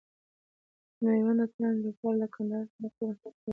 د ميوند اتلان لوبډله له کندهاره نقیب احمد قریشي را پیل کړه.